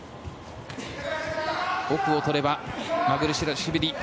奥を取ればマルクベラシュビリ。